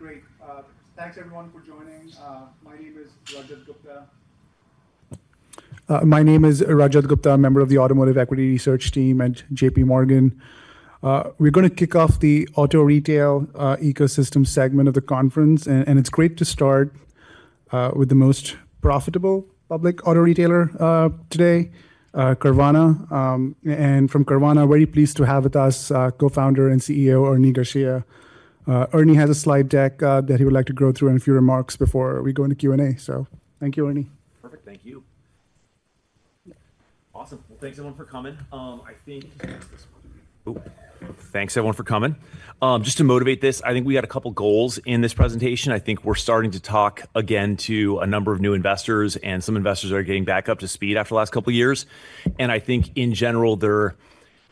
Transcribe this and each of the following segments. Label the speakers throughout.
Speaker 1: All right, great. Thanks everyone for joining. My name is Rajat Gupta. My name is Rajat Gupta, a member of the Automotive Equity Research Team at J.P. Morgan. We're gonna kick off the auto retail ecosystem segment of the conference, and it's great to start with the most profitable public auto retailer today, Carvana. And from Carvana, very pleased to have with us, Co-founder and CEO, Ernie Garcia. Ernie has a slide deck that he would like to go through and a few remarks before we go into Q&A. So thank you, Ernie.
Speaker 2: Perfect. Thank you. Awesome! Well, thanks, everyone, for coming. Oh, thanks, everyone, for coming. Just to motivate this, I think we had a couple goals in this presentation. I think we're starting to talk again to a number of new investors, and some investors are getting back up to speed after the last couple of years. I think in general, there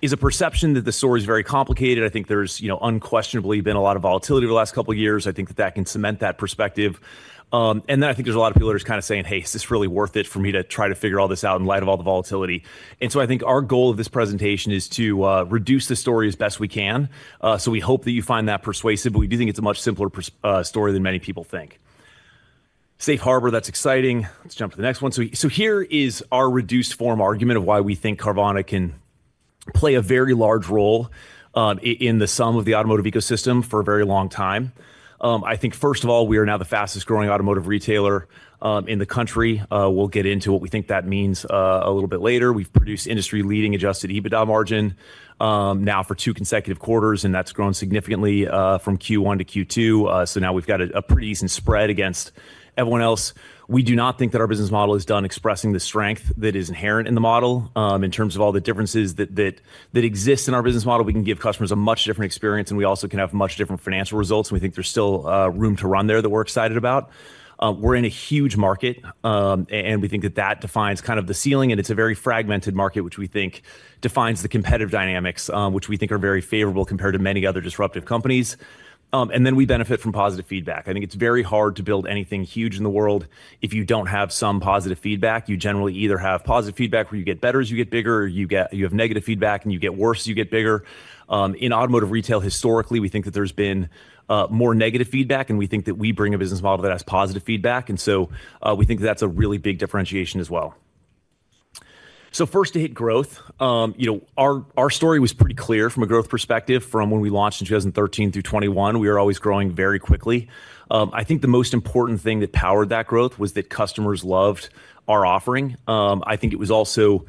Speaker 2: is a perception that the story is very complicated. I think there's, you know, unquestionably been a lot of volatility over the last couple of years. I think that that can cement that perspective. And then I think there's a lot of people who are just kinda saying, "Hey, is this really worth it for me to try to figure all this out in light of all the volatility?" And so I think our goal of this presentation is to reduce the story as best we can. So we hope that you find that persuasive, but we do think it's a much simpler story than many people think. Safe harbor, that's exciting. Let's jump to the next one. So here is our reduced form argument of why we think Carvana can play a very large role in some of the automotive ecosystem for a very long time. I think, first of all, we are now the fastest-growing automotive retailer in the country. We'll get into what we think that means a little bit later. We've produced industry-leading Adjusted EBITDA margin now for two consecutive quarters, and that's grown significantly from Q1 to Q2. So now we've got a pretty decent spread against everyone else. We do not think that our business model is done expressing the strength that is inherent in the model. In terms of all the differences that exist in our business model, we can give customers a much different experience, and we also can have much different financial results, and we think there's still room to run there that we're excited about. We're in a huge market, and we think that that defines kind of the ceiling, and it's a very fragmented market, which we think defines the competitive dynamics, which we think are very favorable compared to many other disruptive companies. And then we benefit from positive feedback. I think it's very hard to build anything huge in the world if you don't have some positive feedback. You generally either have positive feedback, where you get better as you get bigger, or you have negative feedback, and you get worse as you get bigger. In automotive retail, historically, we think that there's been more negative feedback, and we think that we bring a business model that has positive feedback, and so we think that's a really big differentiation as well. So first to hit growth, you know, our story was pretty clear from a growth perspective from when we launched in 2013 through 2021. We were always growing very quickly. I think the most important thing that powered that growth was that customers loved our offering. I think it was also, you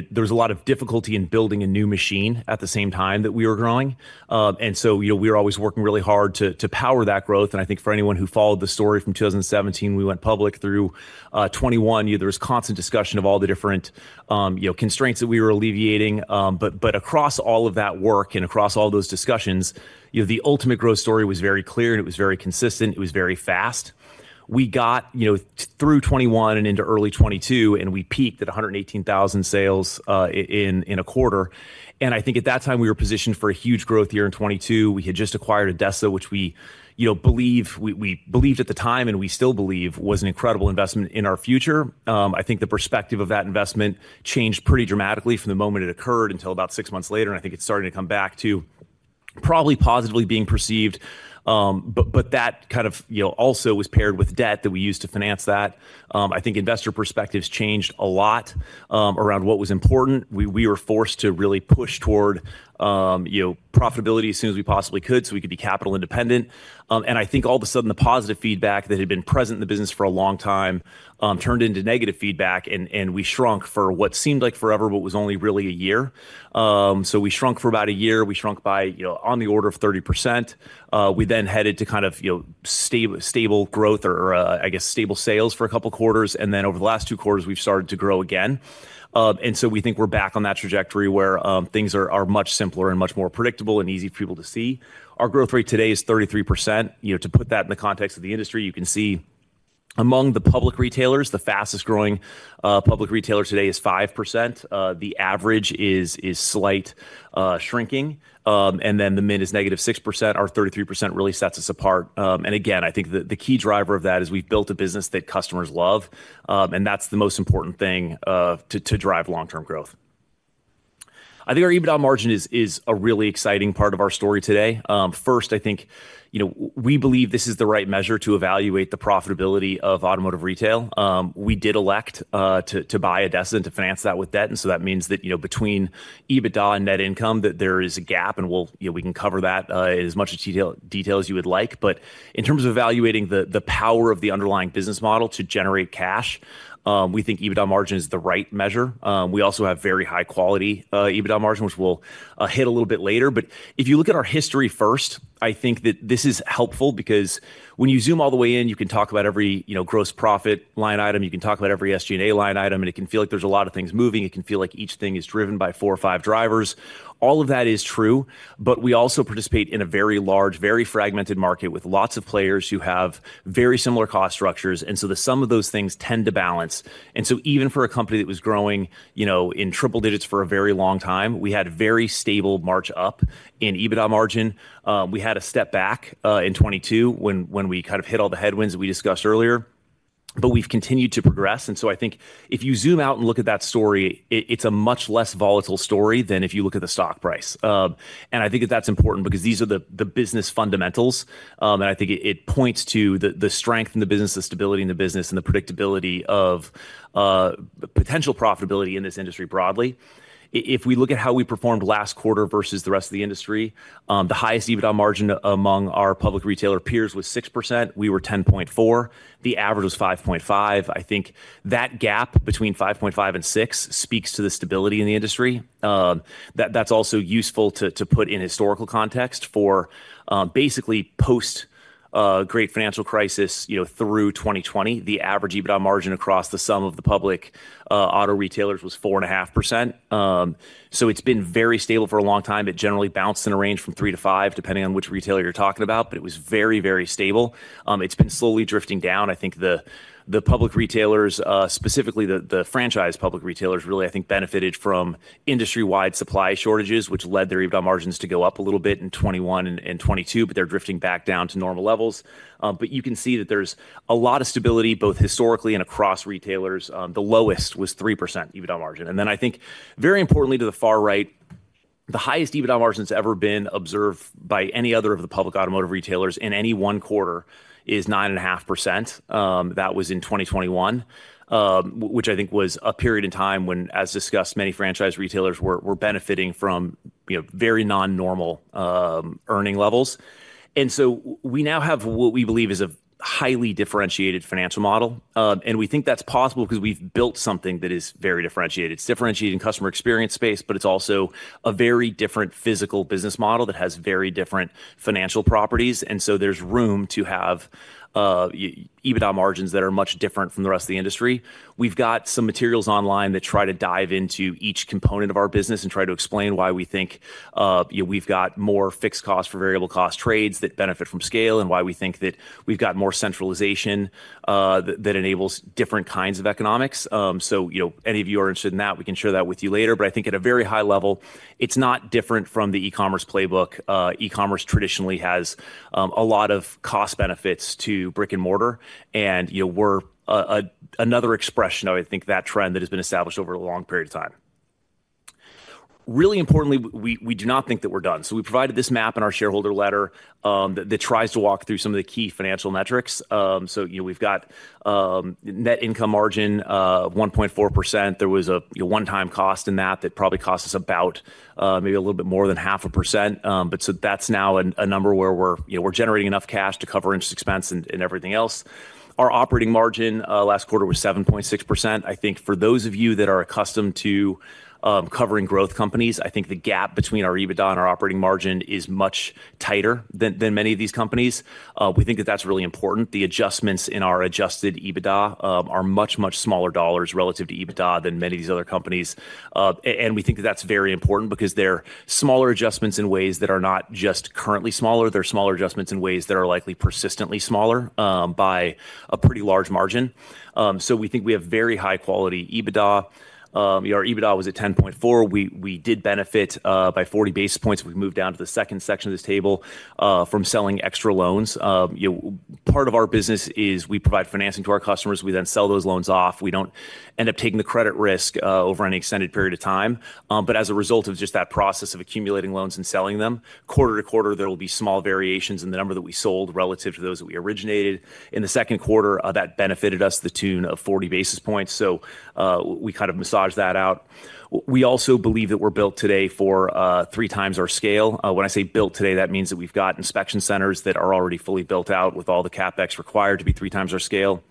Speaker 2: know, there was a lot of difficulty in building a new machine at the same time that we were growing. And so, you know, we were always working really hard to power that growth, and I think for anyone who followed the story from 2017, we went public through 2021. You know, there was constant discussion of all the different, you know, constraints that we were alleviating. But across all of that work and across all those discussions, you know, the ultimate growth story was very clear, and it was very consistent, it was very fast. We got, you know, through 2021 and into early 2022, and we peaked at 118,000 sales in a quarter. And I think at that time, we were positioned for a huge growth year in 2022. We had just acquired ADESA, which we, you know, believe we believed at the time, and we still believe was an incredible investment in our future. I think the perspective of that investment changed pretty dramatically from the moment it occurred until about six months later, and I think it's starting to come back to probably positively being perceived. But that kind of, you know, also was paired with debt that we used to finance that. I think investor perspectives changed a lot around what was important. We were forced to really push toward, you know, profitability as soon as we possibly could, so we could be capital independent. I think all of a sudden, the positive feedback that had been present in the business for a long time turned into negative feedback, and we shrunk for what seemed like forever, but was only really a year. We shrunk for about a year. We shrunk by, you know, on the order of 30%. We then headed to kind of, you know, stable, stable growth or, or, I guess stable sales for a couple of quarters, and then over the last two quarters, we've started to grow again. And so we think we're back on that trajectory where, things are, are much simpler and much more predictable and easy for people to see. Our growth rate today is 33%. You know, to put that in the context of the industry, you can see among the public retailers, the fastest-growing, public retailer today is 5%. The average is, is slight, shrinking, and then the mid is -6%, our 33% really sets us apart. And again, I think the key driver of that is we've built a business that customers love, and that's the most important thing to drive long-term growth. I think our EBITDA margin is a really exciting part of our story today. First, I think, you know, we believe this is the right measure to evaluate the profitability of automotive retail. We did elect to buy ADESA and to finance that with debt, and so that means that, you know, between EBITDA and net income, that there is a gap, and we'll, you know, we can cover that in as much detail as you would like. But in terms of evaluating the power of the underlying business model to generate cash, we think EBITDA margin is the right measure. We also have very high-quality EBITDA margin, which we'll hit a little bit later. But if you look at our history first, I think that this is helpful because when you zoom all the way in, you can talk about every, you know, gross profit, line item, you can talk about every SG&A line item, and it can feel like there's a lot of things moving. It can feel like each thing is driven by four or five drivers. All of that is true, but we also participate in a very large, very fragmented market with lots of players who have very similar cost structures, and so the sum of those things tend to balance. And so even for a company that was growing, you know, in triple digits for a very long time, we had very stable march up in EBITDA margin. We had a step back in 2022, when we kind of hit all the headwinds that we discussed earlier. But we've continued to progress, and so I think if you zoom out and look at that story, it, it's a much less volatile story than if you look at the stock price. I think that that's important because these are the, the business fundamentals, and I think it, it points to the, the strength in the business, the stability in the business, and the predictability of, the potential profitability in this industry broadly. If we look at how we performed last quarter versus the rest of the industry, the highest EBITDA margin among our public retailer peers was 6%, we were 10.4, the average was 5.5. I think that gap between 5.5-6 speaks to the stability in the industry. That that's also useful to put in historical context for basically post Great Financial Crisis, you know, through 2020. The average EBITDA margin across the sum of the public auto retailers was 4.5%. So it's been very stable for a long time. It generally bounced in a range from 3-5, depending on which retailer you're talking about, but it was very, very stable. It's been slowly drifting down. I think the public retailers specifically the franchise public retailers really I think benefited from industry-wide supply shortages, which led their EBITDA margins to go up a little bit in 2021 and 2022, but they're drifting back down to normal levels. But you can see that there's a lot of stability, both historically and across retailers. The lowest was 3% EBITDA margin. And then I think, very importantly, to the far right, the highest EBITDA margin that's ever been observed by any other of the public automotive retailers in any one quarter is 9.5%. That was in 2021, which I think was a period in time when, as discussed, many franchise retailers were benefiting from, you know, very non-normal earning levels. And so we now have what we believe is a highly differentiated financial model. And we think that's possible because we've built something that is very differentiated. It's differentiated in customer experience space, but it's also a very different physical business model that has very different financial properties, and so there's room to have EBITDA margins that are much different from the rest of the industry. We've got some materials online that try to dive into each component of our business and try to explain why we think, you know, we've got more fixed cost for variable cost trades that benefit from scale, and why we think that we've got more centralization, that enables different kinds of economics. So, you know, any of you are interested in that, we can share that with you later. But I think at a very high level, it's not different from the e-commerce playbook. E-commerce traditionally has a lot of cost benefits to brick-and-mortar, and, you know, we're another expression of, I think, that trend that has been established over a long period of time. Really importantly, we do not think that we're done. So we provided this map in our shareholder letter that tries to walk through some of the key financial metrics. So, you know, we've got net income margin of 1.4%. There was, you know, one-time cost in that that probably cost us about maybe a little bit more than 0.5%. But so that's now a number where we're, you know, we're generating enough cash to cover interest expense and everything else. Our operating margin last quarter was 7.6%. I think for those of you that are accustomed to covering growth companies, I think the gap between our EBITDA and our operating margin is much tighter than many of these companies. We think that that's really important. The adjustments in our adjusted EBITDA are much, much smaller dollars relative to EBITDA than many of these other companies. We think that's very important because they're smaller adjustments in ways that are not just currently smaller, they're smaller adjustments in ways that are likely persistently smaller by a pretty large margin. We think we have very high-quality EBITDA. Our EBITDA was at 10.4. We did benefit by 40 basis points. We've moved down to the second section of this table from selling extra loans. You know, part of our business is we provide financing to our customers. We then sell those loans off. We don't end up taking the credit risk over any extended period of time. But as a result of just that process of accumulating loans and selling them, quarter to quarter, there will be small variations in the number that we sold relative to those that we originated. In the second quarter, that benefited us to the tune of 40 basis points. So, we kind of massaged that out. We also believe that we're built today for 3x our scale. When I say built today, that means that we've got inspection centers that are already fully built out with all the CapEx required to be 3x our scale.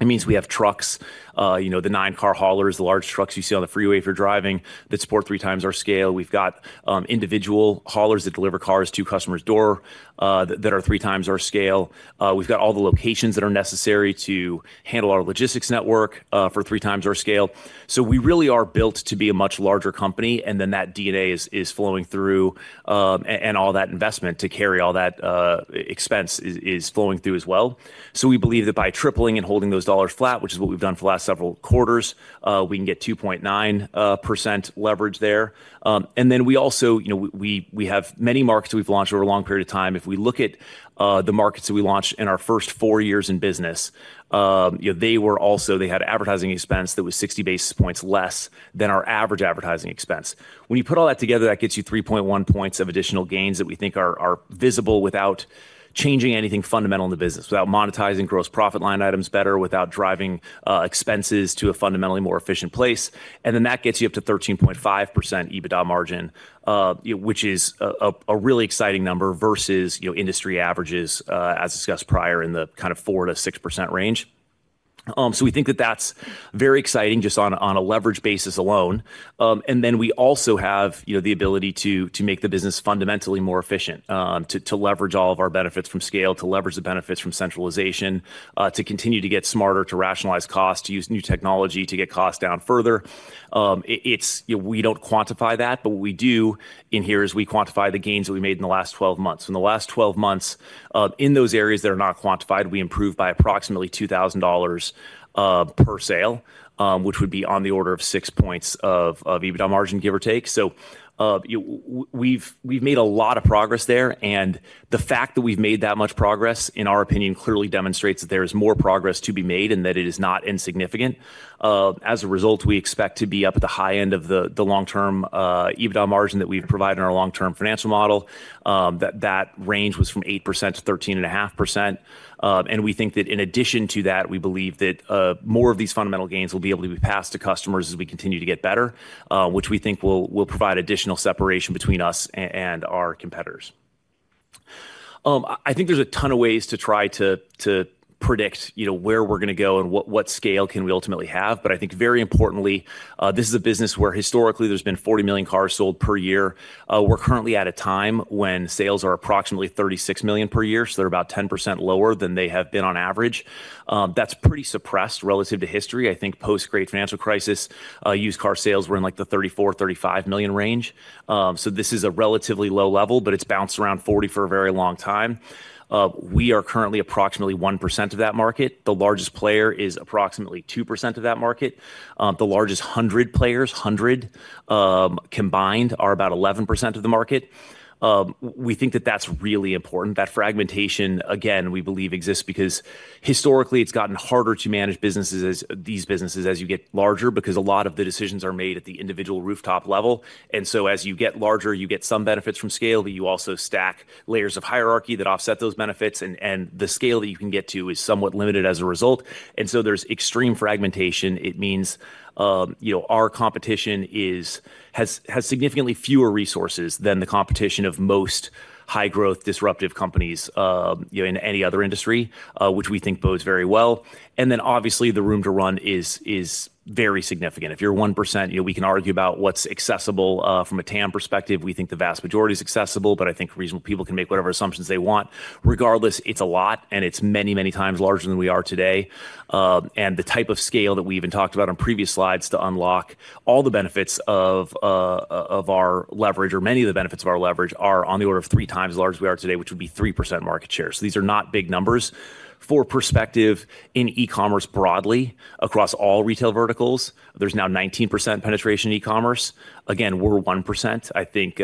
Speaker 2: It means we have trucks, you know, the 9-car haulers, the large trucks you see on the freeway if you're driving, that support three times our scale. We've got individual haulers that deliver cars to customer's door, that are three times our scale. We've got all the locations that are necessary to handle our logistics network, for three times our scale. So we really are built to be a much larger company, and then that DNA is flowing through, and all that investment to carry all that expense is flowing through as well. So we believe that by tripling and holding those dollars flat, which is what we've done for the last several quarters, we can get 2.9% leverage there. And then we also... You know, we have many markets we've launched over a long period of time. If we look at the markets that we launched in our first four years in business, you know, they also had advertising expense that was 60 basis points less than our average advertising expense. When you put all that together, that gets you 3.1 points of additional gains that we think are visible without changing anything fundamental in the business, without monetizing gross profit line items better, without driving expenses to a fundamentally more efficient place. And then that gets you up to 13.5% EBITDA margin, you know, which is a really exciting number versus, you know, industry averages, as discussed prior, in the kind of 4%-6% range. So we think that that's very exciting, just on a leverage basis alone. And then we also have, you know, the ability to make the business fundamentally more efficient, to leverage all of our benefits from scale, to leverage the benefits from centralization, to continue to get smarter, to rationalize costs, to use new technology to get costs down further. We don't quantify that, but what we do in here is we quantify the gains that we made in the last 12 months. In the last 12 months, in those areas that are not quantified, we improved by approximately $2,000 per sale, which would be on the order of six points of EBITDA margin, give or take. So, we've made a lot of progress there, and the fact that we've made that much progress, in our opinion, clearly demonstrates that there is more progress to be made and that it is not insignificant. As a result, we expect to be up at the high end of the long-term EBITDA margin that we've provided in our long-term financial model. That range was from 8%-13.5%. And we think that in addition to that, we believe that more of these fundamental gains will be able to be passed to customers as we continue to get better, which we think will provide additional separation between us and our competitors. I think there's a ton of ways to try to predict, you know, where we're going to go and what scale can we ultimately have. But I think very importantly, this is a business where historically there's been 40 million cars sold per year. We're currently at a time when sales are approximately 36 million per year, so they're about 10% lower than they have been on average. That's pretty suppressed relative to history. I think post-Great Financial Crisis, used car sales were in, like, the 34-35 million range. So this is a relatively low level, but it's bounced around 40 for a very long time. We are currently approximately 1% of that market. The largest player is approximately 2% of that market. The largest 100 players combined are about 11% of the market. We think that that's really important. That fragmentation, again, we believe exists because historically, it's gotten harder to manage businesses as these businesses as you get larger, because a lot of the decisions are made at the individual rooftop level. And so, as you get larger, you get some benefits from scale, but you also stack layers of hierarchy that offset those benefits, and the scale that you can get to is somewhat limited as a result. And so there's extreme fragmentation. It means, you know, our competition has significantly fewer resources than the competition of most high-growth, disruptive companies, you know, in any other industry, which we think bodes very well. And then, obviously, the room to run is very significant. If you're 1%, you know, we can argue about what's accessible. From a TAM perspective, we think the vast majority is accessible, but I think reasonable people can make whatever assumptions they want. Regardless, it's a lot, and it's many, many times larger than we are today. And the type of scale that we even talked about on previous slides to unlock all the benefits of our leverage or many of the benefits of our leverage are on the order of three times larger than we are today, which would be 3% market share. So these are not big numbers. For perspective, in e-commerce broadly, across all retail verticals, there's now 19% penetration in e-commerce. Again, we're 1%. I think,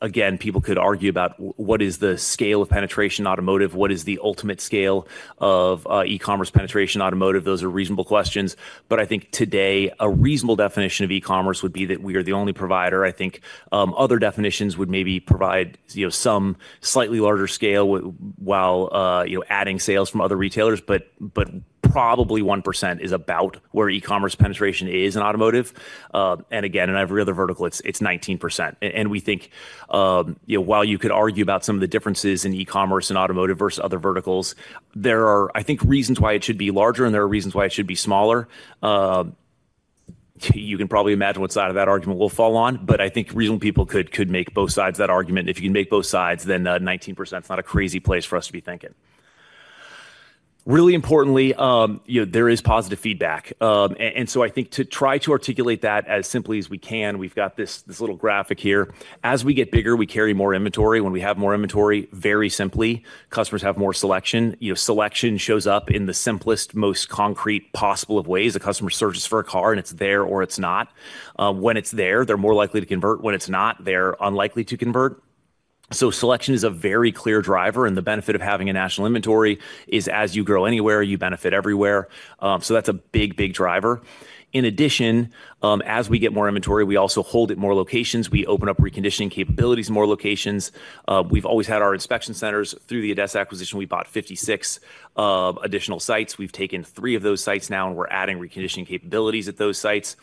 Speaker 2: again, people could argue about what is the scale of penetration in automotive? What is the ultimate scale of e-commerce penetration in automotive? Those are reasonable questions, but I think today, a reasonable definition of e-commerce would be that we are the only provider. I think, other definitions would maybe provide, you know, some slightly larger scale while, you know, adding sales from other retailers, but, but probably 1% is about where e-commerce penetration is in automotive. And again, in every other vertical, it's 19%. And we think, you know, while you could argue about some of the differences in e-commerce and automotive versus other verticals, there are, I think, reasons why it should be larger, and there are reasons why it should be smaller. You can probably imagine what side of that argument we'll fall on, but I think reasonable people could make both sides of that argument. If you can make both sides, then 19% is not a crazy place for us to be thinking. Really importantly, you know, there is positive feedback. And so I think to try to articulate that as simply as we can, we've got this little graphic here. As we get bigger, we carry more inventory. When we have more inventory, very simply, customers have more selection. You know, selection shows up in the simplest, most concrete possible of ways. A customer searches for a car, and it's there or it's not. When it's there, they're more likely to convert. When it's not, they're unlikely to convert. So selection is a very clear driver, and the benefit of having a national inventory is as you grow anywhere, you benefit everywhere. So that's a big, big driver. In addition, as we get more inventory, we also hold it more locations. We open up reconditioning capabilities in more locations. We've always had our inspection centers. Through the ADESA acquisition, we bought 56 additional sites. We've taken three of those sites now, and we're adding reconditioning capabilities at those sites.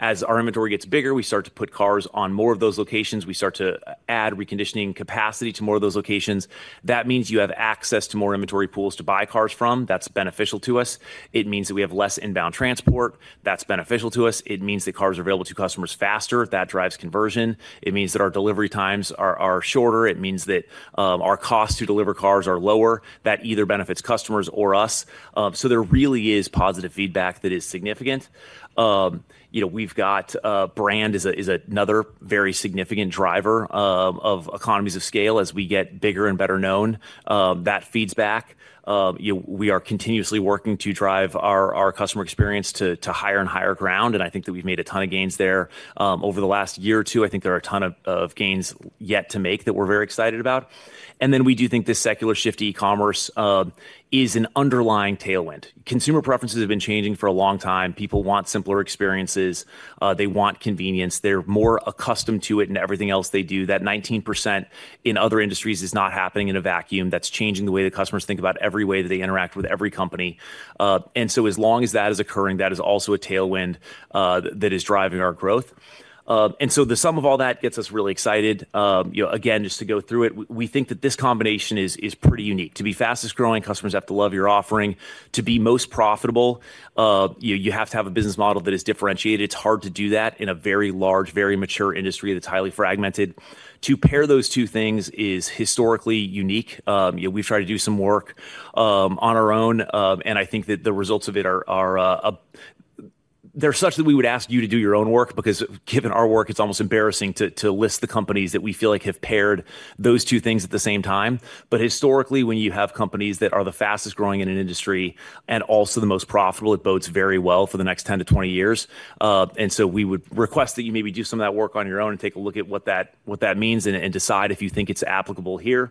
Speaker 2: As our inventory gets bigger, we start to put cars on more of those locations. We start to add reconditioning capacity to more of those locations. That means you have access to more inventory pools to buy cars from. That's beneficial to us. It means that we have less inbound transport. That's beneficial to us. It means that cars are available to customers faster. That drives conversion. It means that our delivery times are shorter. It means that our costs to deliver cars are lower. That either benefits customers or us. So there really is positive feedback that is significant. You know, we've got brand is another very significant driver of economies of scale. As we get bigger and better known, that feeds back. You know, we are continuously working to drive our customer experience to higher and higher ground, and I think that we've made a ton of gains there over the last year or two. I think there are a ton of gains yet to make that we're very excited about. And then we do think this secular shift to e-commerce is an underlying tailwind. Consumer preferences have been changing for a long time. People want simpler experiences. They want convenience. They're more accustomed to it in everything else they do. That 19% in other industries is not happening in a vacuum. That's changing the way that customers think about every way that they interact with every company. And so as long as that is occurring, that is also a tailwind that is driving our growth. And so the sum of all that gets us really excited. You know, again, just to go through it, we think that this combination is pretty unique. To be fastest-growing, customers have to love your offering. To be most profitable, you have to have a business model that is differentiated. It's hard to do that in a very large, very mature industry that's highly fragmented. To pair those two things is historically unique. You know, we've tried to do some work on our own, and I think that the results of it are... They're such that we would ask you to do your own work, because given our work, it's almost embarrassing to, to list the companies that we feel like have paired those two things at the same time. But historically, when you have companies that are the fastest growing in an industry and also the most profitable, it bodes very well for the next 10-20 years. And so we would request that you maybe do some of that work on your own and take a look at what that, what that means and, and decide if you think it's applicable here.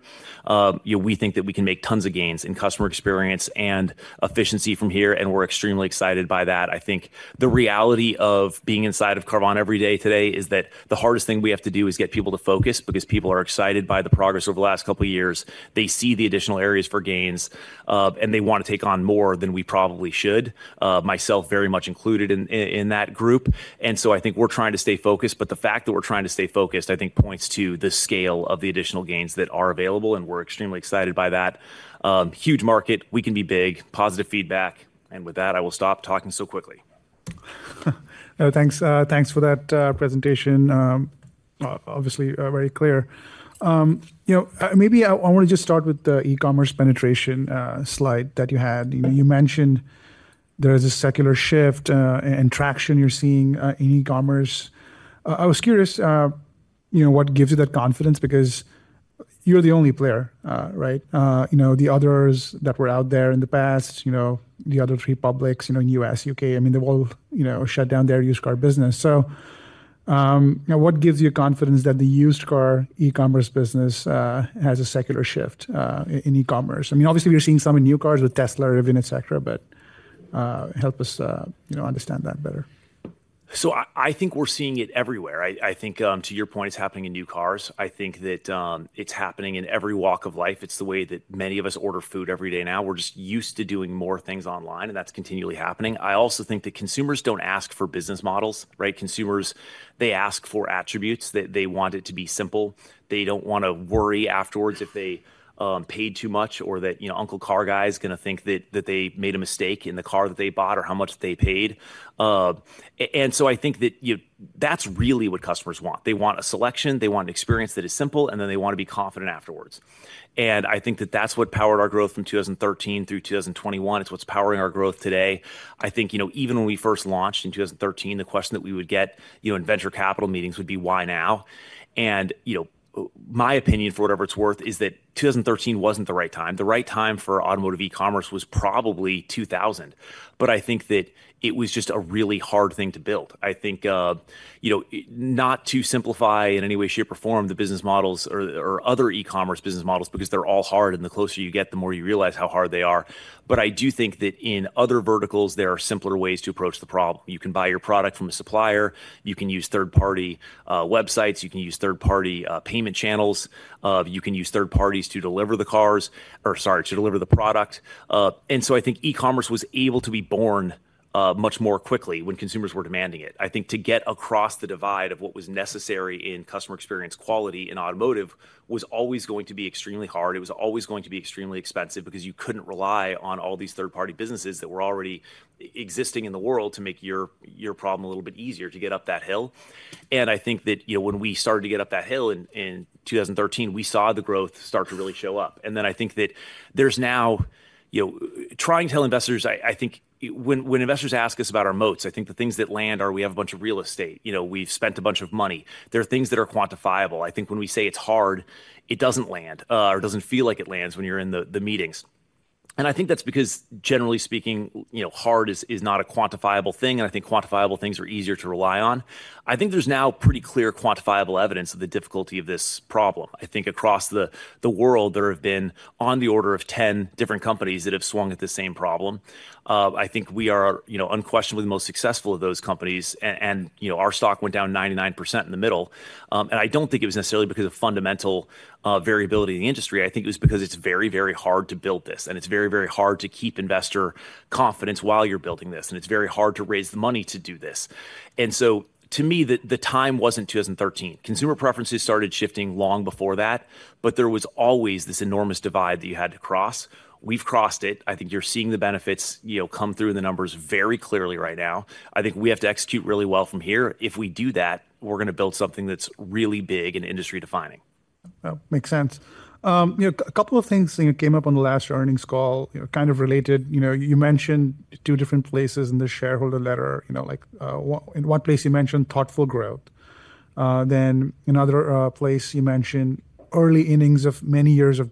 Speaker 2: You know, we think that we can make tons of gains in customer experience and efficiency from here, and we're extremely excited by that. I think the reality of being inside of Carvana every day today is that the hardest thing we have to do is get people to focus, because people are excited by the progress over the last couple of years. They see the additional areas for gains, and they want to take on more than we probably should, myself very much included in, in that group. And so I think we're trying to stay focused, but the fact that we're trying to stay focused, I think, points to the scale of the additional gains that are available, and we're extremely excited by that. Huge market. We can be big, positive feedback, and with that, I will stop talking so quickly.
Speaker 1: No, thanks, thanks for that presentation. Obviously, very clear. You know, maybe I want to just start with the e-commerce penetration slide that you had. You know, you mentioned there is a secular shift, and traction you're seeing, in e-commerce. I was curious, you know, what gives you that confidence? Because you're the only player, right? You know, the others that were out there in the past, you know, the other three publics, you know, in U.S., U.K., I mean, they've all, you know, shut down their used car business. So, you know, what gives you confidence that the used car e-commerce business has a secular shift, in e-commerce? I mean, obviously, we're seeing some in new cars with Tesla, Rivian, et cetera, but help us, you know, understand that better.
Speaker 2: So I think we're seeing it everywhere. I think, to your point, it's happening in new cars. I think that it's happening in every walk of life. It's the way that many of us order food every day now. We're just used to doing more things online, and that's continually happening. I also think that consumers don't ask for business models, right? Consumers, they ask for attributes, that they want it to be simple. They don't want to worry afterwards if they paid too much or that, you know, Uncle Car Guy is gonna think that they made a mistake in the car that they bought or how much they paid. And so I think that that's really what customers want. They want a selection, they want an experience that is simple, and then they want to be confident afterwards. I think that that's what powered our growth from 2013 through 2021. It's what's powering our growth today. I think, you know, even when we first launched in 2013, the question that we would get, you know, in venture capital meetings would be, "Why now?" And, you know, my opinion, for whatever it's worth, is that 2013 wasn't the right time. The right time for automotive e-commerce was probably 2000, but I think that it was just a really hard thing to build. I think, you know, not to simplify in any way, shape, or form the business models or, or other e-commerce business models because they're all hard, and the closer you get, the more you realize how hard they are. But I do think that in other verticals, there are simpler ways to approach the problem. You can buy your product from a supplier, you can use third-party websites, you can use third-party payment channels, you can use third parties to deliver the cars-- or sorry, to deliver the product. And so I think e-commerce was able to be born, much more quickly when consumers were demanding it. I think to get across the divide of what was necessary in customer experience quality in automotive was always going to be extremely hard. It was always going to be extremely expensive because you couldn't rely on all these third-party businesses that were already existing in the world to make your, your problem a little bit easier to get up that hill. And I think that, you know, when we started to get up that hill in, in 2013, we saw the growth start to really show up. I think that there's now... You know, trying to tell investors, I think when investors ask us about our moats, I think the things that land are we have a bunch of real estate. You know, we've spent a bunch of money. There are things that are quantifiable. I think when we say it's hard, it doesn't land, or it doesn't feel like it lands when you're in the meetings. I think that's because, generally speaking, you know, hard is not a quantifiable thing, and I think quantifiable things are easier to rely on. I think there's now pretty clear, quantifiable evidence of the difficulty of this problem. I think across the world, there have been on the order of 10 different companies that have swung at the same problem. I think we are, you know, unquestionably the most successful of those companies, and, you know, our stock went down 99% in the middle. And I don't think it was necessarily because of fundamental, uh, variability in the industry. I think it was because it's very, very hard to build this, and it's very, very hard to keep investor confidence while you're building this, and it's very hard to raise the money to do this. And so to me, the, the time wasn't 2013. Consumer preferences started shifting long before that, but there was always this enormous divide that you had to cross. We've crossed it. I think you're seeing the benefits, you know, come through in the numbers very clearly right now. I think we have to execute really well from here. If we do that, we're gonna build something that's really big and industry-defining.
Speaker 1: Well, makes sense. You know, a couple of things that came up on the last earnings call, you know, kind of related. You know, you mentioned two different places in the shareholder letter. You know, like, in one place, you mentioned thoughtful growth. Then another place you mentioned early innings of many years of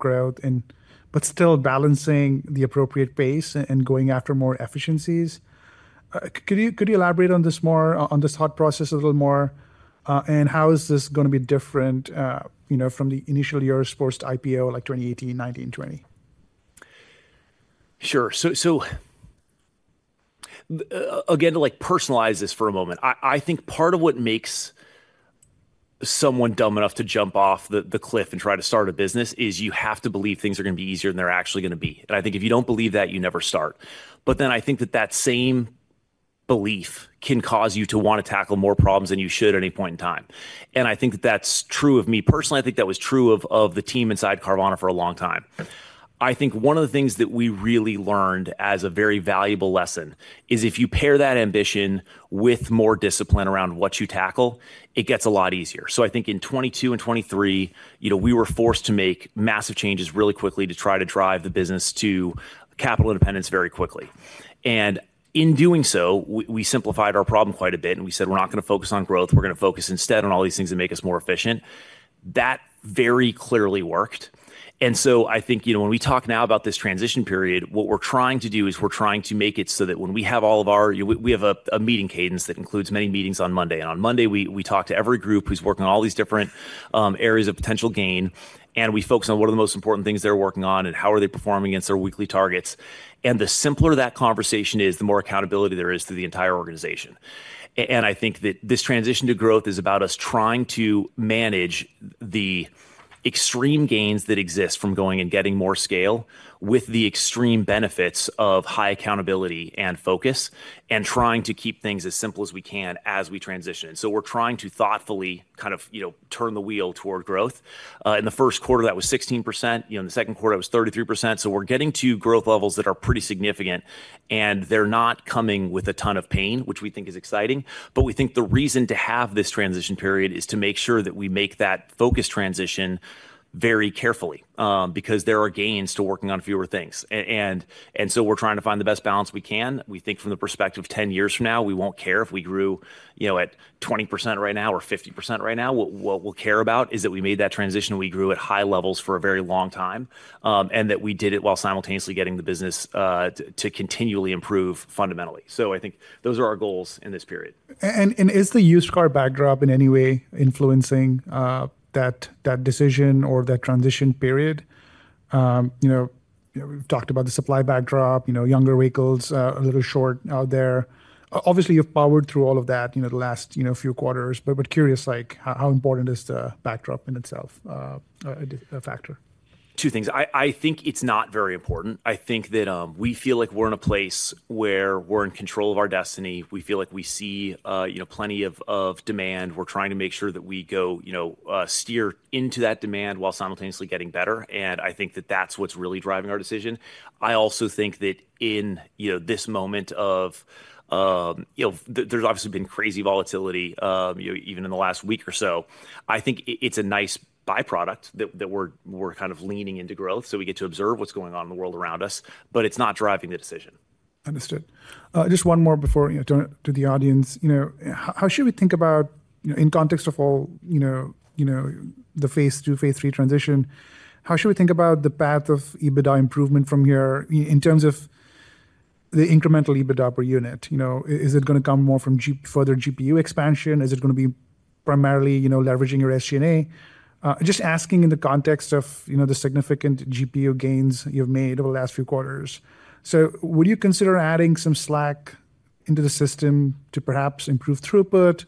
Speaker 1: growth, but still balancing the appropriate pace and going after more efficiencies. Could you elaborate on this more, on this thought process a little more? And how is this gonna be different, you know, from the initial years post-IPO, like 2018, 2019, 2020?
Speaker 2: Sure. So, again, to, like, personalize this for a moment, I think part of what makes someone dumb enough to jump off the cliff and try to start a business is you have to believe things are gonna be easier than they're actually gonna be. And I think if you don't believe that, you never start. But then I think that same belief can cause you to want to tackle more problems than you should at any point in time. And I think that's true of me personally. I think that was true of the team inside Carvana for a long time. I think one of the things that we really learned as a very valuable lesson is if you pair that ambition with more discipline around what you tackle, it gets a lot easier. So I think in 2022 and 2023, you know, we were forced to make massive changes really quickly to try to drive the business to capital independence very quickly. And in doing so, we, we simplified our problem quite a bit, and we said: We're not going to focus on growth. We're going to focus instead on all these things that make us more efficient. That very clearly worked, and so I think, you know, when we talk now about this transition period, what we're trying to do is we're trying to make it so that when we have all of our meeting cadence that includes many meetings on Monday, and on Monday, we talk to every group who's working on all these different areas of potential gain, and we focus on what are the most important things they're working on and how are they performing against their weekly targets. The simpler that conversation is, the more accountability there is through the entire organization. I think that this transition to growth is about us trying to manage the extreme gains that exist from going and getting more scale with the extreme benefits of high accountability and focus, and trying to keep things as simple as we can as we transition. So we're trying to thoughtfully kind of, you know, turn the wheel toward growth. In the first quarter, that was 16%. You know, in the second quarter, it was 33%. So we're getting to growth levels that are pretty significant, and they're not coming with a ton of pain, which we think is exciting. But we think the reason to have this transition period is to make sure that we make that focus transition very carefully, because there are gains to working on fewer things. And so we're trying to find the best balance we can. We think from the perspective of 10 years from now, we won't care if we grew, you know, at 20% right now or 50% right now. What we'll care about is that we made that transition, and we grew at high levels for a very long time, and that we did it while simultaneously getting the business to continually improve fundamentally. So I think those are our goals in this period.
Speaker 1: Is the used car backdrop in any way influencing that decision or that transition period? You know, we've talked about the supply backdrop, you know, younger vehicles, a little short out there. Obviously, you've powered through all of that, you know, the last few quarters, but curious, like, how important is the backdrop in itself, a factor?
Speaker 2: Two things. I think it's not very important. I think that we feel like we're in a place where we're in control of our destiny. We feel like we see, you know, plenty of demand. We're trying to make sure that we go, you know, steer into that demand while simultaneously getting better, and I think that that's what's really driving our decision. I also think that in, you know, this moment of, you know, there's obviously been crazy volatility, you know, even in the last week or so. I think it's a nice by-product that we're kind of leaning into growth, so we get to observe what's going on in the world around us, but it's not driving the decision.
Speaker 1: Understood. Just one more before I turn it to the audience. You know, how should we think about, you know, in context of all, you know, you know, the phase two, phase three transition, how should we think about the path of EBITDA improvement from here in terms of the incremental EBITDA per unit? You know, is it going to come more from further GPU expansion? Is it going to be primarily, you know, leveraging your SG&A? Just asking in the context of, you know, the significant GPU gains you've made over the last few quarters. So would you consider adding some slack into the system to perhaps improve throughput?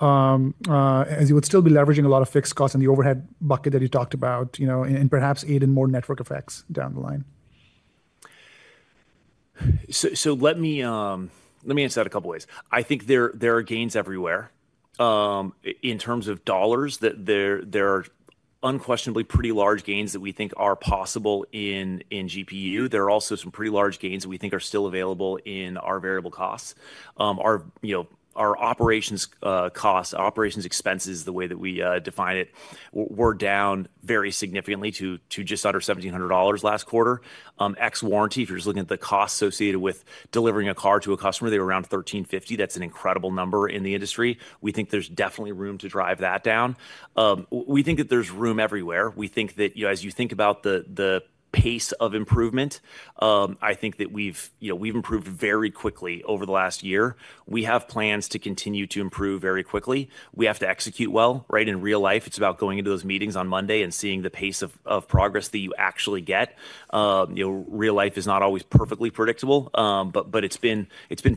Speaker 1: As you would still be leveraging a lot of fixed costs in the overhead bucket that you talked about, you know, and perhaps even more network effects down the line.
Speaker 2: So let me answer that a couple ways. I think there are gains everywhere. In terms of dollars, there are unquestionably pretty large gains that we think are possible in GPU. There are also some pretty large gains that we think are still available in our variable costs. Our, you know, our operations costs, operations expenses, the way that we define it, were down very significantly to just under $1,700 last quarter. Ex-warranty, if you're just looking at the costs associated with delivering a car to a customer, they were around $1,350. That's an incredible number in the industry. We think there's definitely room to drive that down. We think that there's room everywhere. We think that, you know, as you think about the pace of improvement, I think that we've, you know, we've improved very quickly over the last year. We have plans to continue to improve very quickly. We have to execute well, right? In real life, it's about going into those meetings on Monday and seeing the pace of progress that you actually get. You know, real life is not always perfectly predictable, but it's been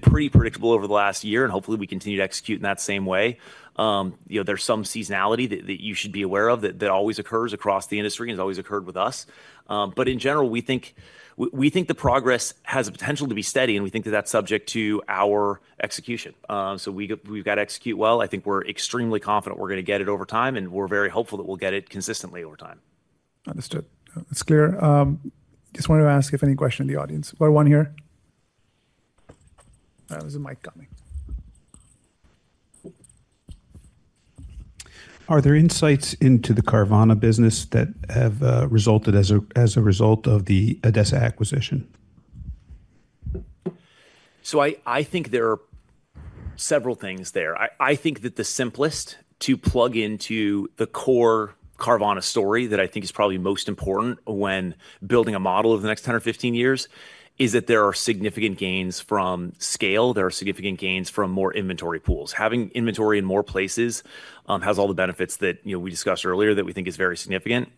Speaker 2: pretty predictable over the last year, and hopefully, we continue to execute in that same way. You know, there's some seasonality that you should be aware of that always occurs across the industry, and it's always occurred with us. But in general, we think, we, we think the progress has the potential to be steady, and we think that that's subject to our execution. So we got, we've got to execute well. I think we're extremely confident we're going to get it over time, and we're very hopeful that we'll get it consistently over time.
Speaker 1: Understood. It's clear. Just wanted to ask if any question in the audience. We have one here. There was a mic coming.
Speaker 3: Are there insights into the Carvana business that have resulted as a result of the ADESA acquisition?
Speaker 2: So I think there are several things there. I think that the simplest to plug into the core Carvana story that I think is probably most important when building a model of the next 10 or 15 years, is that there are significant gains from scale. There are significant gains from more inventory pools. Having inventory in more places has all the benefits that, you know, we discussed earlier that we think is very significant.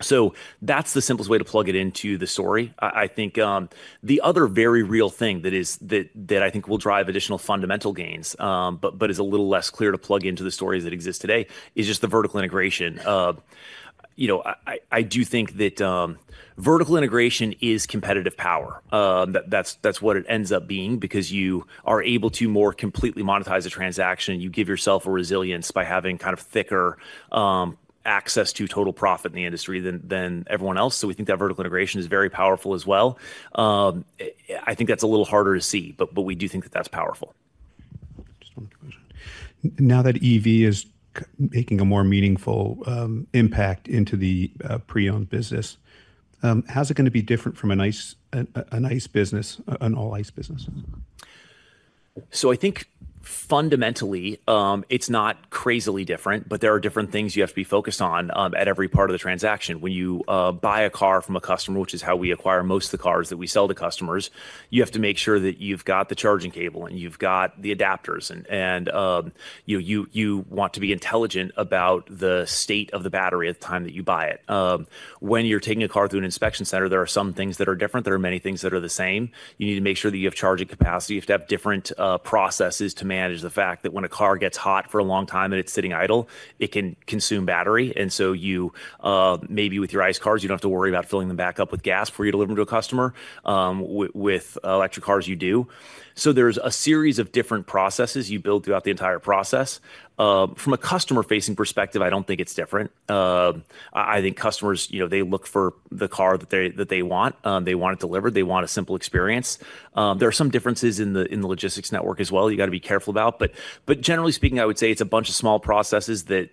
Speaker 2: So that's the simplest way to plug it into the story. I think the other very real thing that is that I think will drive additional fundamental gains, but is a little less clear to plug into the stories that exist today is just the vertical integration. You know, I do think that vertical integration is competitive power. That's what it ends up being because you are able to more completely monetize a transaction. You give yourself a resilience by having kind of thicker access to total profit in the industry than everyone else. So we think that vertical integration is very powerful as well. I think that's a little harder to see, but we do think that that's powerful.
Speaker 3: Now that EV is making a more meaningful impact into the pre-owned business, how's it going to be different from an ICE business, an all-ICE business?
Speaker 2: So I think fundamentally, it's not crazily different, but there are different things you have to be focused on, at every part of the transaction. When you buy a car from a customer, which is how we acquire most of the cars that we sell to customers, you have to make sure that you've got the charging cable and you've got the adapters, and you want to be intelligent about the state of the battery at the time that you buy it. When you're taking a car through an inspection center, there are some things that are different. There are many things that are the same. You need to make sure that you have charging capacity. You have to have different processes to manage the fact that when a car gets hot for a long time and it's sitting idle, it can consume battery, and so you maybe with your ICE cars, you don't have to worry about filling them back up with gas before you deliver them to a customer, with electric cars, you do. So there's a series of different processes you build throughout the entire process. From a customer-facing perspective, I don't think it's different. I think customers, you know, they look for the car that they want. They want it delivered. They want a simple experience. There are some differences in the logistics network as well. You got to be careful about, but generally speaking, I would say it's a bunch of small processes that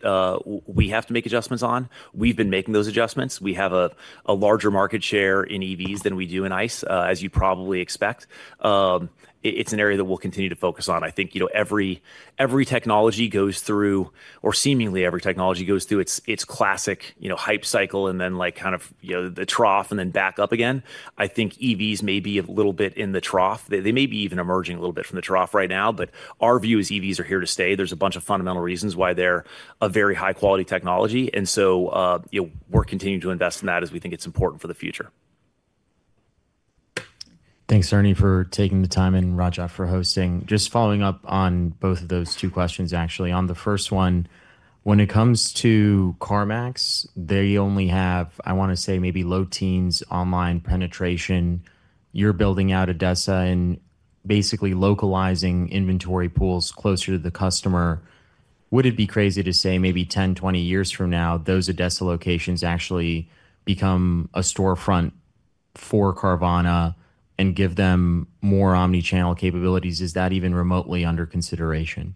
Speaker 2: we have to make adjustments on. We've been making those adjustments. We have a larger market share in EVs than we do in ICE, as you probably expect. It's an area that we'll continue to focus on. I think, you know, every technology goes through, or seemingly every technology goes through its classic, you know, hype cycle, and then, like, kind of, you know, the trough and then back up again. I think EVs may be a little bit in the trough. They may be even emerging a little bit from the trough right now, but our view is EVs are here to stay. There's a bunch of fundamental reasons why they're a very high-quality technology, and so, you know, we're continuing to invest in that as we think it's important for the future.
Speaker 4: Thanks, Ernie, for taking the time, and Rajat for hosting. Just following up on both of those two questions, actually. On the first one, when it comes to CarMax, they only have, I want to say, maybe low teens online penetration. You're building out ADESA and basically localizing inventory pools closer to the customer. Would it be crazy to say maybe 10, 20 years from now, those ADESA locations actually become a storefront for Carvana and give them more omni-channel capabilities? Is that even remotely under consideration?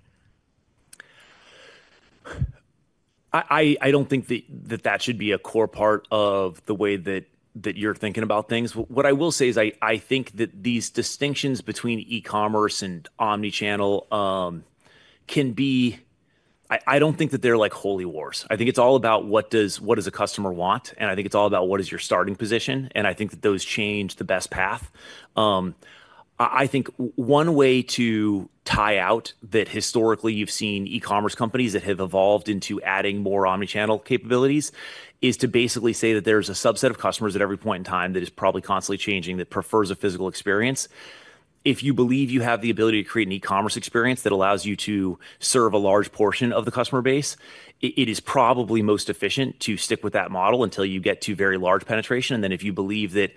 Speaker 2: I don't think that should be a core part of the way that you're thinking about things. What I will say is I think that these distinctions between e-commerce and omni-channel can be... I don't think that they're like holy wars. I think it's all about what does a customer want, and I think it's all about what is your starting position, and I think that those change the best path. I think one way to tie out that historically you've seen e-commerce companies that have evolved into adding more omni-channel capabilities is to basically say that there's a subset of customers at every point in time that is probably constantly changing, that prefers a physical experience. If you believe you have the ability to create an e-commerce experience that allows you to serve a large portion of the customer base, it is probably most efficient to stick with that model until you get to very large penetration. And then if you believe that,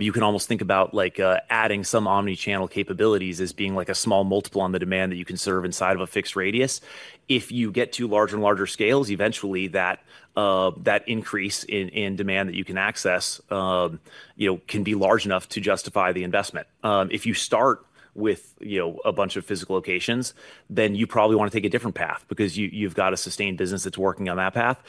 Speaker 2: you can almost think about like adding some omni-channel capabilities as being like a small multiple on the demand that you can serve inside of a fixed radius. If you get to larger and larger scales, eventually that increase in demand that you can access, you know, can be large enough to justify the investment. If you start with, you know, a bunch of physical locations, then you probably want to take a different path because you, you've got a sustained business that's working on that path.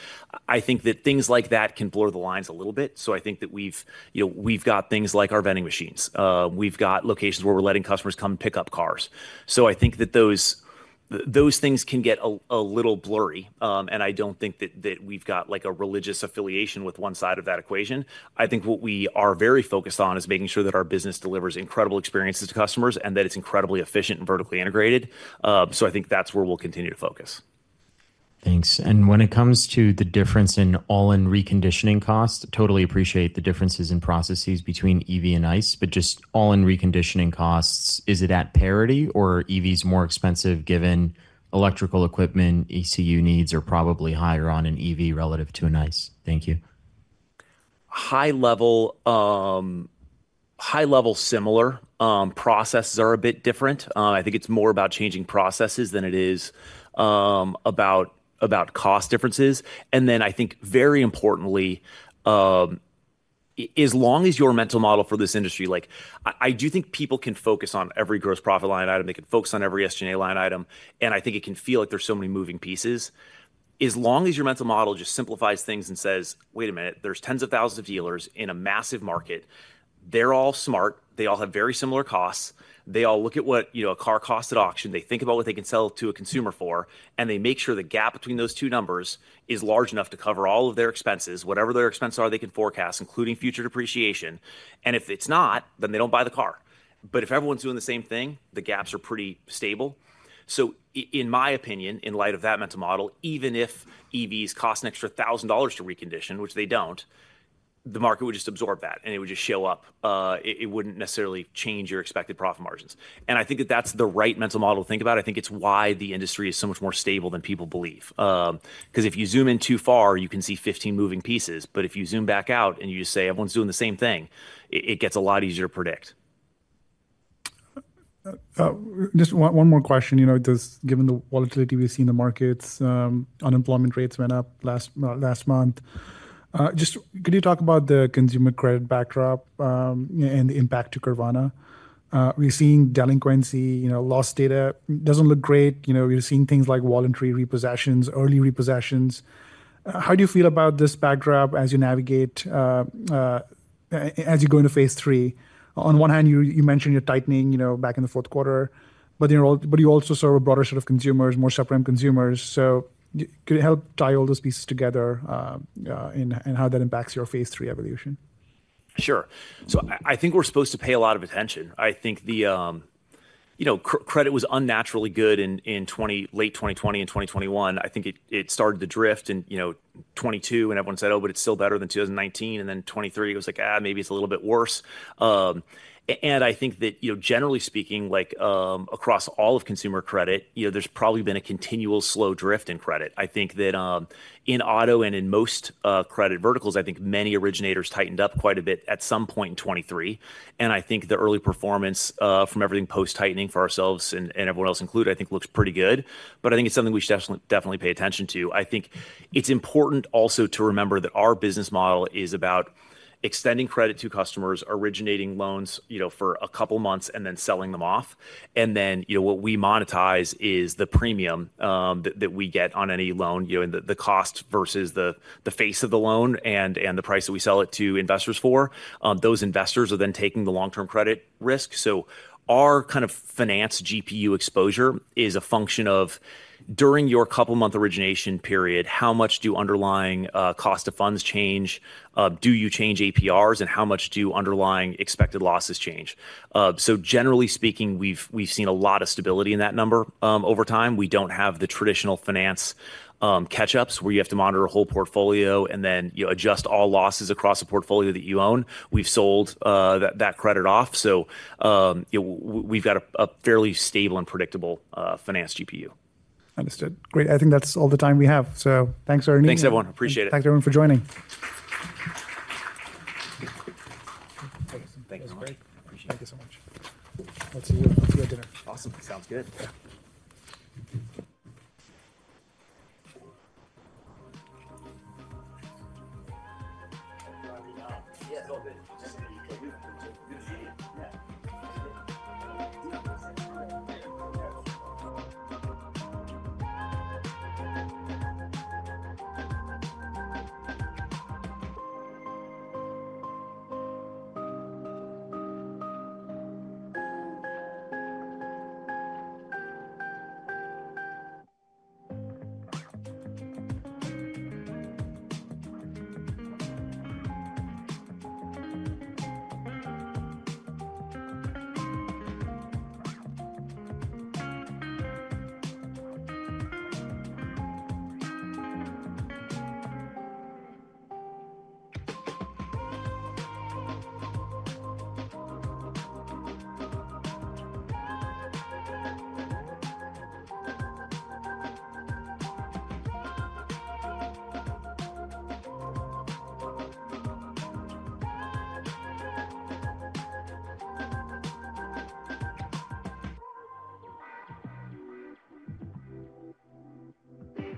Speaker 2: I think that things like that can blur the lines a little bit, so I think that we've, you know, we've got things like our vending machines. We've got locations where we're letting customers come and pick up cars. So I think that those things can get a little blurry, and I don't think that we've got, like, a religious affiliation with one side of that equation. I think what we are very focused on is making sure that our business delivers incredible experiences to customers and that it's incredibly efficient and vertically integrated. So I think that's where we'll continue to focus.
Speaker 4: Thanks. When it comes to the difference in all-in reconditioning costs, totally appreciate the differences in processes between EV and ICE, but just all-in reconditioning costs, is it at parity or are EVs more expensive given electrical equipment, ECU needs are probably higher on an EV relative to an ICE? Thank you.
Speaker 2: High level, high level, similar. Processes are a bit different. I think it's more about changing processes than it is, about, about cost differences. And then I think very importantly, as long as your mental model for this industry, like, I do think people can focus on every gross profit line item, they can focus on every SG&A line item, and I think it can feel like there's so many moving pieces. As long as your mental model just simplifies things and says, "Wait a minute, there's tens of thousands of dealers in a massive market. They're all smart. They all have very similar costs. They all look at what, you know, a car costs at auction. They think about what they can sell to a consumer for, and they make sure the gap between those two numbers is large enough to cover all of their expenses, whatever their expenses are, they can forecast, including future depreciation. And if it's not, then they don't buy the car. But if everyone's doing the same thing, the gaps are pretty stable. So in my opinion, in light of that mental model, even if EVs cost an extra $1,000 to recondition, which they don't, the market would just absorb that, and it would just show up. It wouldn't necessarily change your expected profit margins. And I think that that's the right mental model to think about. I think it's why the industry is so much more stable than people believe. 'Cause if you zoom in too far, you can see 15 moving pieces, but if you zoom back out and you just say everyone's doing the same thing, it gets a lot easier to predict.
Speaker 1: Just one more question. You know, does—given the volatility we've seen in the markets, unemployment rates went up last month. Just could you talk about the consumer credit backdrop, and the impact to Carvana? We're seeing delinquency, you know, loss data doesn't look great. You know, we're seeing things like voluntary repossessions, early repossessions. How do you feel about this backdrop as you navigate as you go into phase III? On one hand, you mentioned you're tightening, you know, back in the fourth quarter, but you also serve a broader set of consumers, more subprime consumers. So could you help tie all those pieces together, and how that impacts your phase III evolution?
Speaker 2: Sure. So I think we're supposed to pay a lot of attention. I think the, you know, credit was unnaturally good in late 2020 and 2021. I think it started to drift in, you know, 2022, and everyone said, "Oh, but it's still better than 2019." And then 2023, it was like, "Ah, maybe it's a little bit worse." And I think that, you know, generally speaking, like, across all of consumer credit, you know, there's probably been a continual slow drift in credit. I think that, in auto and in most, credit verticals, I think many originators tightened up quite a bit at some point in 2023, and I think the early performance from everything post-tightening for ourselves and everyone else included, I think looks pretty good. But I think it's something we should definitely, definitely pay attention to. I think it's important also to remember that our business model is about extending credit to customers, originating loans, you know, for a couple of months, and then selling them off. And then, you know, what we monetize is the premium that we get on any loan, you know, and the cost versus the face of the loan and the price that we sell it to investors for. Those investors are then taking the long-term credit risk. So our kind of finance GPU exposure is a function of, during your couple month origination period, how much do underlying cost of funds change? Do you change APRs, and how much do underlying expected losses change? So generally speaking, we've seen a lot of stability in that number over time. We don't have the traditional finance catch-ups, where you have to monitor a whole portfolio and then, you know, adjust all losses across the portfolio that you own. We've sold that credit off, so you know, we've got a fairly stable and predictable finance GPU.
Speaker 1: Understood. Great. I think that's all the time we have, so thanks very much.
Speaker 2: Thanks, everyone. Appreciate it.
Speaker 1: Thank you, everyone, for joining.
Speaker 3: Thank you.
Speaker 1: That was great.
Speaker 3: Appreciate it.
Speaker 1: Thank you so much. I'll see you, I'll see you at dinner.
Speaker 2: Awesome. Sounds good.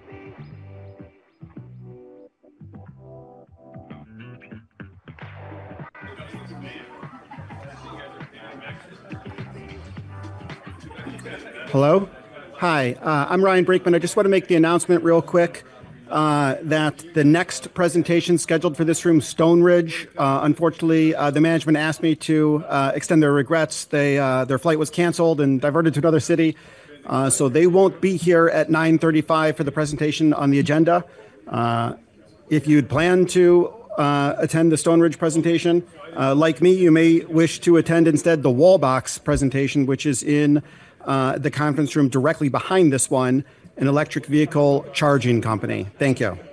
Speaker 1: Yeah.
Speaker 5: Hello? Hi, I'm Ryan Brinkman. I just want to make the announcement real quick, that the next presentation scheduled for this room, Stoneridge, unfortunately, the management asked me to extend their regrets. They... Their flight was canceled and diverted to another city, so they won't be here at 9:35 A.M. for the presentation on the agenda. If you'd planned to attend the Stoneridge presentation, like me, you may wish to attend instead the Wallbox presentation, which is in the conference room directly behind this one, an electric vehicle charging company. Thank you.